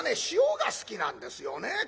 塩が好きなんですよね。